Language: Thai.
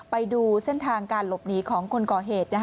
ไปดูเส้นทางการหลบหนีของคนก่อเหตุ